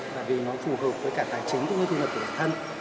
tại vì nó phù hợp với cả tài chính cũng như thu nhập của bản thân